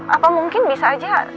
apa mungkin bisa aja